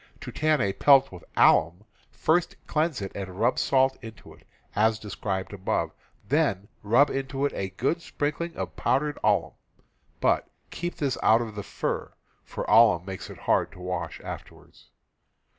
To tan a pelt with alum, first cleanse it and rub salt into it, as described above, then rub into it a good sprinkling of powdered alum, but keep this out of the fur, for alum makes it hard to wash afterwards.